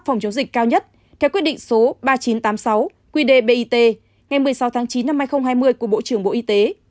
phòng chống dịch cao nhất theo quyết định số ba nghìn chín trăm tám mươi sáu quy đề bit ngày một mươi sáu chín hai nghìn hai mươi của bộ trưởng bộ y tế